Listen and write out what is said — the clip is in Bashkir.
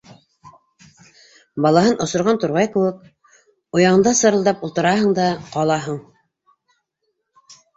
Балаһын осорған турғай кеүек, ояңда сырылдап ултыраһың да ҡалаһың.